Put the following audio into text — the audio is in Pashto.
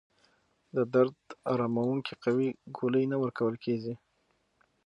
د درد اراموونکې قوي ګولۍ نه ورکول کېږي.